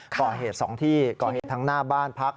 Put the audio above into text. ก่อเหตุ๒ที่ก่อเหตุทั้งหน้าบ้านพัก